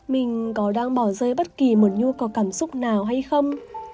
mình có đang bỏ rơi bất kỳ một nhu có cảm xúc nào hay không